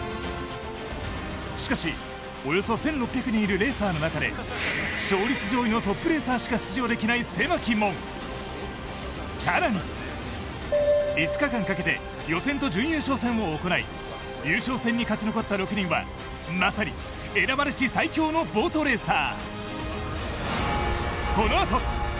しかし、およそ１６００人いるレーサーの中で勝率上位のトップレーサーしか出場できない狭き門、更に５日間かけて予選と準優勝戦を行い優勝戦に勝ち残った６人は、まさに選ばれし最強のボートレーサー。